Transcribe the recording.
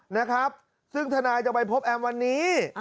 นะครับซึ่งทนายจะไปพบแอมวันนี้